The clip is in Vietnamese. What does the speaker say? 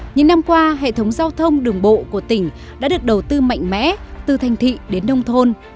những năm qua hệ thống giao thông đường bộ của tỉnh đã được đầu tư mạnh mẽ từ thành thị đến nông thôn